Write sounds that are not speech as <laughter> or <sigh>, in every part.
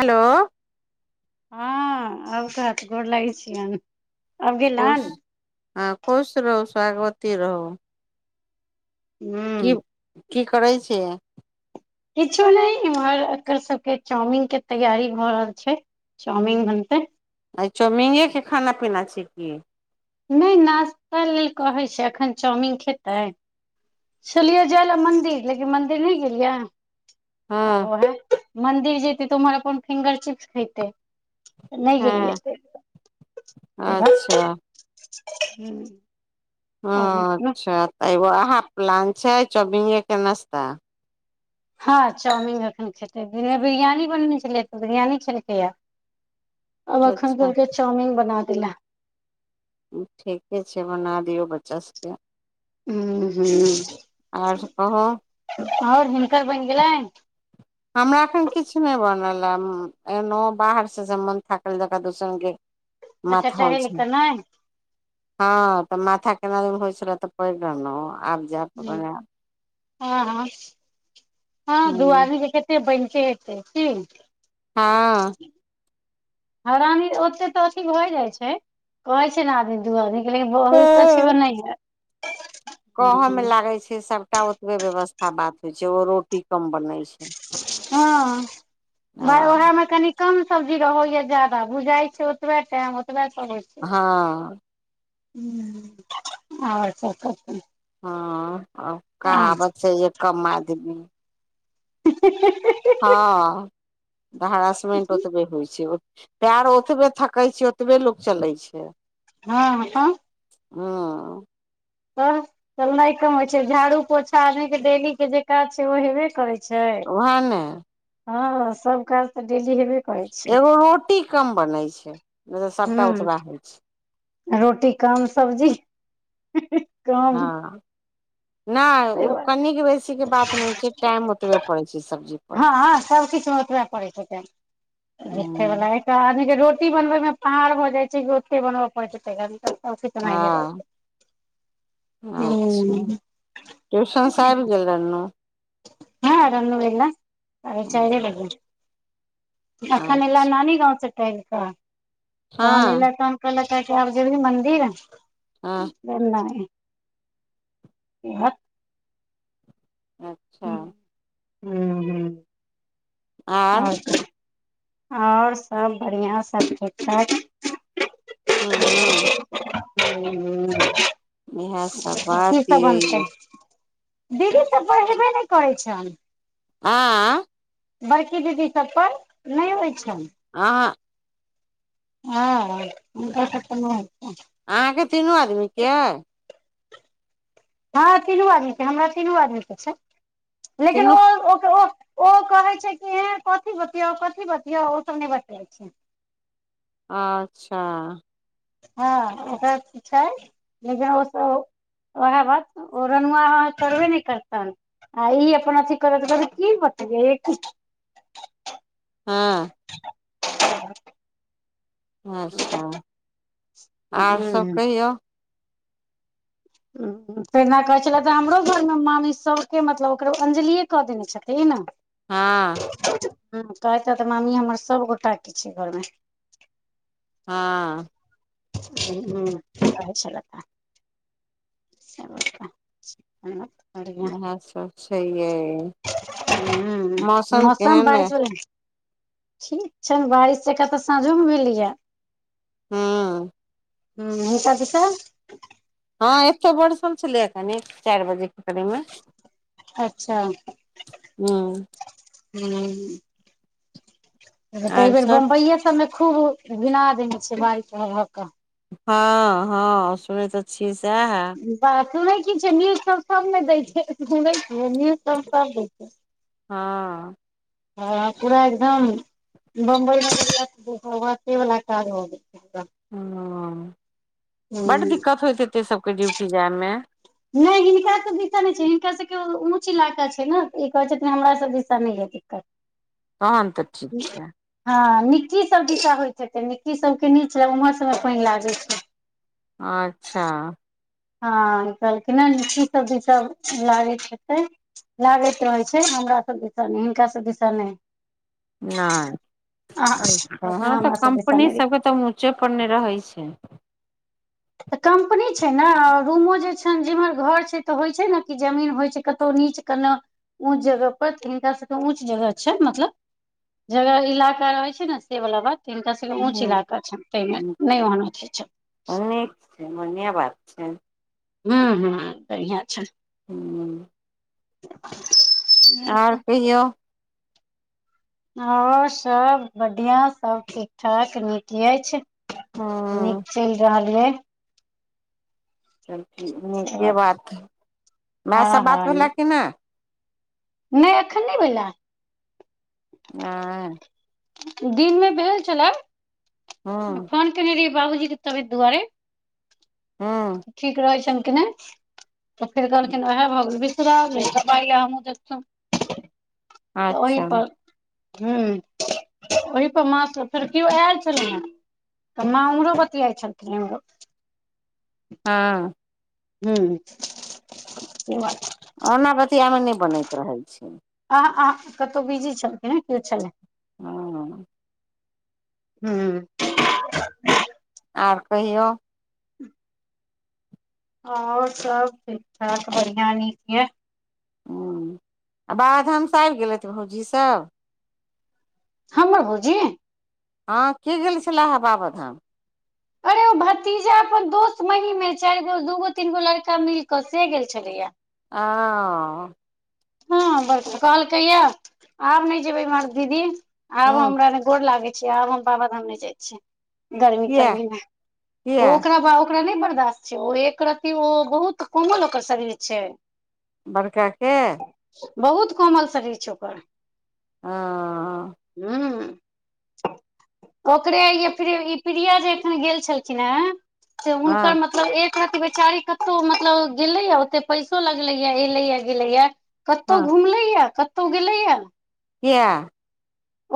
Hello हँ आब कहौथ गोर लागै छियनि आब खुश गेलनि हँ खुश रहू सुहागवति रहू हूँ की की करै छियै किछो नइ इम्हर एकर सबके चाउमिन के तैयारी भऽ रहल छै चाउमीन बनतै आइ चाउमीने के खाना पीना छै की नहि नाश्ता लेल कहैत छै अखन चाउमिन खेतै छेलीए जाइ लऽ मंदिर लेकिन मंदिर नहि गेलियै आ हँ ओहे मन्दिर जइतै तऽ ओम्हर अपन फिंगर चिप्स खैतै नहि गेलियै हँ अच्छा हम्म अच्छा तऽ एगो अहा प्लान छै चाउमीने के नास्ता हाँ चाउमिन एखन खेतै दिनमे बिरियानी बनेने छलियै तऽ बिरियानी खेलकैये आब एखन अच्छा कहलकै चाउमिन बना दैले ठीके छै बना दियौ बच्चा सब उंहूँ आर कहू आओर हिनकर बनि गेलैन हमरा एखन किछु नहि बनल ए एलौं हें बाहर से जे मन थाकल जकाँ दोसरे रंग के <inaudible> माथा होइ टहलि छै कऽ नहि हँ तऽ माथा केना दिन होइ छेलैये तऽ पड़ि रहलौं आब जायब तऽ हूम्म बनायब हँ हँ हँ दु हूँ आदमी के केत त्ते बनिते हेतै की हाँ हरानी ओते तऽ अथी भए जाइ छै कहै छै ने आदमी दू आदमी लेकिन ब होइ तऽ छै हँ एनाहिये कहऽ मे लागैत छै सभटा ओतबे व्यवस्था बात होइत छै ओ रोटी कम बनैत छै हँ भाय ह ओएह मे कनि कम सब्जी रहै या ज्यादा बुझाय छै ओतबे टाइम ओतबे समय हाँ ह और सब कहिओ हाँ कहावत छै ये कम आदमी <unintelligible> हाँ हरासमेंट ओतबे होइ छै पैर ओतबे थकै छै ओतबे लोक चलै छै हाँ तब हाँ तऽ चल नहि कमइ छै झाड़ू पोछा आदमी के डेली के जे काज छै ओ हेबे करै छै छै उएह ने हँ सब काज तऽ डेली हेबे करै छै एगो रोटी कम बनै छै तऽ सबटा हूं ओतबा होइ छै रोटी कम सब्जी कम हँ नहि से ओ बात कनिक बेसी के बात नहि छै टाइम ओतबे पड़ै छै सब्जी पर हाँ सब किछु मे ओतबे पड़ै छथिन मठे वला ह एक आद रोटी बनबय मे पहाड़ भऽ जाइ छै रते बनबय पड़ै छै तन तऽ सब किछ ओताहिये हँ रहे छै अच्छा हूं ट्यूशन स आबि गेलै रेनु हँ रेनु ऐलो सारे चाइरे हँ बजे अखन एलौ नानी गाँंव से टहल कऽ तहन हँ एले तहन कहलक कहै आब जेबही मंन्दिर हाँ नइ हँ हू ह आर और और सभ बढ़िआँ सभ ठीक ठाक हँ हूँ हूँ इएह सब बात की सब बनतै यै दीदी सब बढ़बे नहि करै छ आँ बड़की दीदी सब पर नहि होइ छै आ हँ ओकर सबके नै होय छै अहाँके तीनू आदमी के हँ तीनू आदमी के हमरा तीनू आदमी के छै लेकिन तीनू ओ ओ ओ ओ कहे छै कि ए कथी बतियौ कथी बतियौ ओ सब नहि बते छै अच्छा हँ ओ छै लिन ओ सब वएह बात ओ रनुआ करबे ने करतनि आ ई अपना अथि करत कर कि बतबै हँ अच्छा आर सब हूँ कहियौ <unintelligible> फेरना कहै छले तऽ हमरो घरमे मामी सभके मतलब ओकरो अं्जलिए कऽ देने छथिन ने हँ ह कहैते तऽ मामी हमर सभगोटाके छै घरमे हँ हूँ कहै छलैथ है <unintelligible> इएह सब छै यै हूँ मौसम केहन अइ बारिश वला ठीक छैन बारिश जेका तऽ साँझो मे भेलियह हँ ह ओझा जी सब हँ एतो बड़सल छलै कनी चारि बजे के करीबमे अच्छा हूँ त हूँ एहि आर बेर सब बम्बइए सबमे खूब घिना देने छै बारिश के हँ हँ सुनै तऽ छियै सएह ब सुनै क न्यूज सब सब ने दै छै सु न्यूज सब सब छै हँ हँ पूरा एकदम बम्बई <unintelligible> ह बड दिक्कत होयत हैते सबके ड्यूटी जाय मे नहि हिनकाँ दिशा नहि छै हिनका सभके ऊँच इलाका छै ने ई कहैत छथिन हमरा सभ दिसा नहि यऽ दिक्कत तहन त हँ निक्की सब जसा होइत छै त निक्की सबके नीच ल उम्हर सबमे पानि लागैत छै अच्छा हँ ई कहलखिन ली सब भी सब लागैत हेतै लागैत रहै छै हमरा सब दस नहि हिनका सब दस नहि नहि अच्छा हँ तऽ हमरा सब दिशा कम्पनी नहि सबके तऽ उचो पर नहि रहै छै तऽ कम्पनी छै ने रूमो जे छै न जेमहर घर छै तऽ होइ छै ने कि जमीन होइ छै कतहु नीच कोनो ऊँच जगह पर त हिनका सबके ऊँच जगह छै मतलब जगह इलाका रहे छै ने से वाला बात त हिनका सबके ऊंच हँ इलाका छ ते मे नहि ओहन होय छै नीक छै बढ़िया बात छै हू हूँ बढ़िआ छै हूँ <inaudible> कहिऔ ह सब बढ़िआँ सब ठीक ठाक नीक अछि हँ नीक चलि रहल यै चल नीके बात हइ माय हँ से बात भेलै कि नइ नइ एखन नइ भेला नइ दिन मे भेल छलए हँ फोन केने रहिैअइ बाबूजी के तबियत दुआरे हँ ठीक रहै छनि कि नइ तऽ फेर कहलखिन उएह भऽ गेल <unintelligible> तऽ अच्छा ओहीपर हूं ओहीपर मां से फेडर केओ आयल छलै हेँ तऽ माँ उम्हरो बतियाइ छलखिन उरो हां ह्म से बात ओना बतिआयमे नइ बनैत रहै छै अह अह कतहु बिजी छलखिन ह केओ छलै ओ हूं आर कहियौ <inaudible> और सब ठीक ठाक बढ़िया नीके हँ आ बाबाधाम से आबि गेलथि भौजी सब हमर भौजी हँ के गेल छलाह बाबाधाम अरे भट भतीजा अपन दोस्त महीमे चारि गो दूगो तीन गो लड़का मिल क से गेल छलैया आ -ओ हँ ब कहलकैया आब नइ जेबै इम्हर दीदी आब हँ हमरा गोर लागे छै आब हम बाबाधाम नइ जाइ छियै गर्मी किया तरमी मे किया ओ ओकरा बाब ओकरा नइ बर्दाश्त छै ओ एक रत्ति ओ बहुत कोमल ओकर शरीर छै बड़काके बहुत कोमल शरीर छै ओकर हंअ हूं ओकरे य ई प्रिया जे एखन गेल छलखिन हें से हुनकर मतलब मतलब एक रत्ति बेचारी कतौ मतलब गेलैआ ओते पैसो लगलै या एलैए गेलैया कतहु हँ घुमलैआ कतहु गेलैया किआ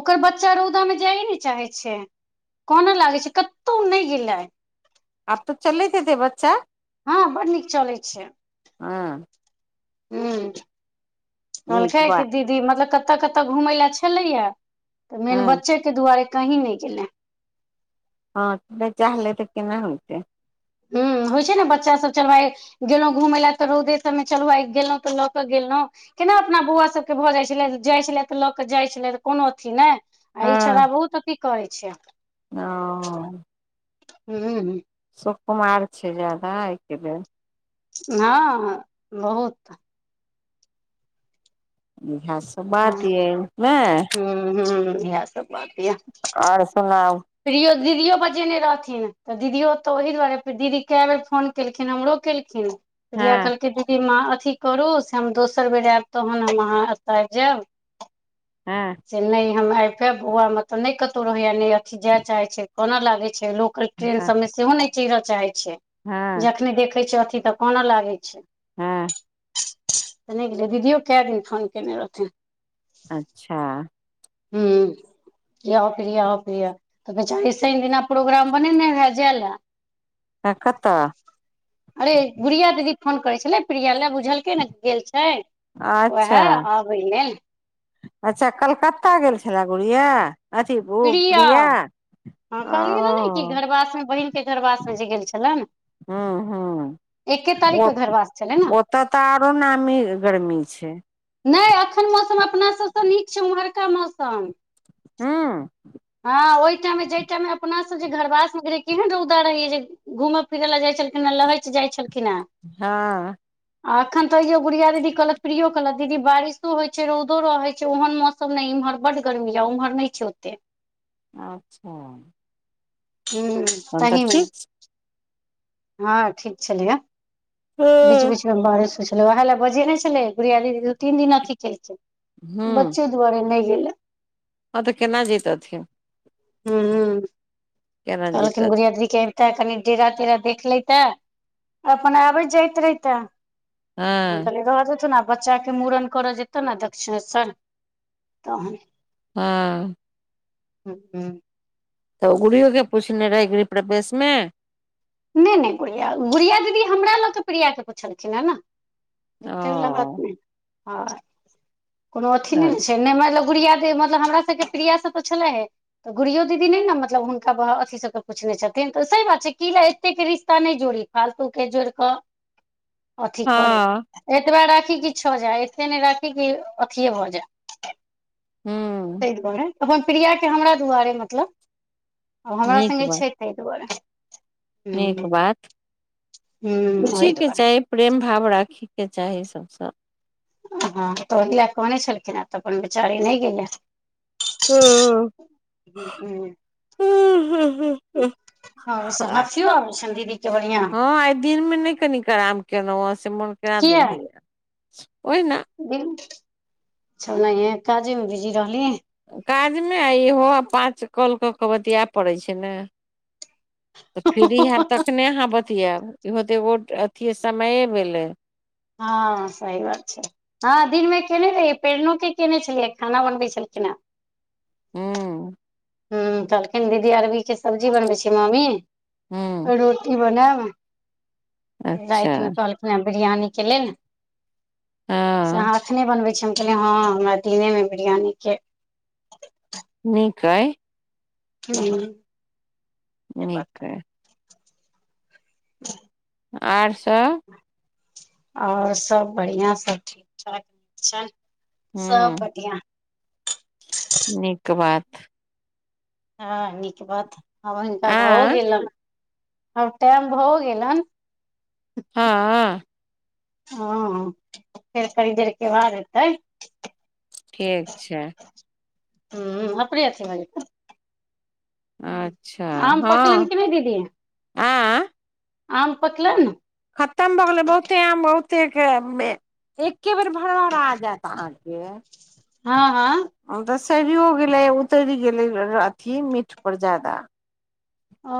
ओकर बच्चा रौदा मे जाइए ने चाहे छै कानअ लागै छै कतहु नइ गेलै आब त चलैत हेतै बच्चा हँ बड नीक चलै छै हँ हूं नीक मलकाय के बात दीदी मतलब कत कतऽ घुमय ला छलैआ तऽ हँ मेन बच्चे के दुआरे कहीं नइ गेलै दि हँ त नइ चाहलै तऽ केना होइतै हूं होइ छै न बच्चा सब चलबाय गेलहुँ घूमय ला तऽ रौदे सबमे चलू आइ गेलहुं तऽ लऽ के गेलौं केना अपना बौआ सबके भऽ जाइ छला जाइ छलै तऽ लऽ कऽ जाइ छलै कोनो अथी नइ आ ई छोड़ा बहुत अथी करै छै हँ ओ हुँ सुकमार छै जादा एहिके लेल हँ बहुत इह सब बात यमे हुं हूं इहे सब बात या आओर सुनाउ प्रयो दीदियो बजेने रहथिन तऽ दीदियो तऽ ओहि दुआरे फेर दीदी कए बेर फोन केलखिन हमरो केलखिन जा हँ कहलकै दि अथी करू से हम दोसर बेर आयब तहन हम अहाँ एतऽ आब जायब हँ से नहि हम आबे बौआ मे तऽ नहि कतहु रहैया ने अथी जाय चाहे छै कोना लागे छै लोक ट्रेन हँ सब में सेहो नहि चहिर चाहे छै हँ जखने देखे छ अथी तऽ कानअ लागे छै हँ तऽ नइ गेलै दीदियो कए दिन फोन केने रहथिन अच्छा हुँ प्रिया आउ प्रिया तऽ बेचारी सैन दिना प्रोग्राम बनेने रहे जायल त कतअ अरे बुढ़िया दीदी फोन करे छले प्रिया ले बुझलके ने गेल छै ओएह अच्छा आबै ने अच्छा कलकत्ता गेल छलए गुड़िया अथी ओ प्रिया हँ कहलियै ने कि ओ घरबासमे बहिनक के घरवासमे जे गेल छलेन हँ हँ ओ घरवास छलै ने ओतऽ तऽ आरो नामी गर्मी छै नै अखन मौसम अपना सबसँ नीक छै ओम्हरका मौसम हँ हँ ओहि टाइम मे जहि टाइ मे अपना सब जे घरवास मे गेल केहन रौदा रहैय जे घूमय फिरय लए जाइत छलखिन हे लेै जाइत छलखिन हे हँ आ एखन तऽयो बुढ़िया दीदी कहलत प्रियो कहलत दीदी बारिशो होइ छै रौदो रहे छै ओहन मौ सब ने इम्हर बड गर्मी या उम्हर नहि छै ओते अच्छा ह तहन तऽ तहमे ठीक हँ ठीक छलिया छै बिच बिच मे बारिश होय छले ओहल बजे न छलै गुडिया दिदि दू तन दिन अथि केलके हूँ बच्चे दुआरे नहि गेलै हँ तऽ केना जयतथि हूँ केना कहलखिन जैतथिन गुड़िया दीदी के ते कनि डेरा तेरा देख ले ते अपन आबैत जाइत रहिते हम हँ कहलिये रहअ दैथुन आब बच्चा के मूड़न करऽ जेतौ ने दक्षिश्वर तहन हँ तखन तऽ गुरयो के पूछने रहे गृह प्रवेश में नहि नहि गुड़िया गुड़िया दीदी हमरा लगके प्रिया के पुछलखिन हे ने ओ तेल लगात नहि हँ कोनो अथी नहि छै नहि मतलब गुड़िया दे मतलब हमर सभके प्रियासभ स छलै हे तऽ गुरियो दीदी नहि ने मतलब हुनका अथी सभके पुछने छथिन तऽ सह बात छै की ल कतेक रिश्ता नहि जोड़ी फालतू के जोड़ कऽ अथी करे हँ एतबा राखी कि छ जाय एते नहि राखी कि अथिए भऽ जाय हूँ ताहि दुआरे अपन प्रियाक के हमरा दुआरे मतलब हमरा नीक सङ्गे बात छै ताहि दुआरे नीक हूँ बात पुछि ओहि के दुआरे छै प्रेम भाव राखैके चाही छैथ सब हँ तऽ ओहि लए कहने छलखिन हे तऽ अपन बेचारी नहि गेले हँ ह ह ह हू हू से हँ हाथियो आबै छनि दीदी के बढ़िआँ आइ दिन मे नहि कनि कराम केलहु से मन केना दुन होइयै ओहिना अच्छा ओनहि काजे मे बिजी रहली काजमे आ इहो आ पाँच कल कऽ कऽ बतियाए पड़ैत छै ने तऽ फ्री हयब तखने अहाँ ब अथी आब इहो ते वो अथ समये भेलै हँ सही बात छै हँ दिन मे केने रही प्रेरणोे केने छलियै खाना बनबे छलखिन हेँ हू ह कहलखिन दीदी अरबीके सब्जी बनबै छ हूँ मम्मी रोटी बनायब अच्छा रातिमे कहलखिन हे बिरयानी के लेल से हँ अहाँ एखने बनबै छी हम कहलियै हँ हमरा दिनेमे बिरियानी के नीक अइ हू नीक य। आर स आओर सब बढ़िआ सब ठीक ठाक छैय सब हूँ बढ़िआ। नीक बात। हँ नीक बात आब हुनका आ भऽ गेलन आब टाइम भऽ गेलन। हँ हँ फेर कनि देर के बद हेतै। ठीक छैय। हूं अपने अथीमें जेतय, अच्छा आम पछलनि हँ कि नै दीदी? आँ आम पकलनि खतम भऽ गेलै बहुते आम बहुते के एके बेर भड़ भरा जायत अहाँके। हँ हँ तऽ सड़ियो गेलै उतरि गेलै अथी मीठपर ज्यादा। ओ